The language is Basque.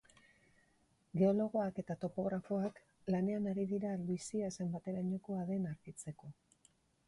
Geologoak eta topografoak lanean ari dira luizia zenbaterainokoa den argitzeko.